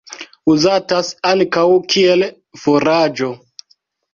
Uzatas ankaŭ kiel furaĝo.